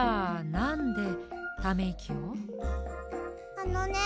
あのね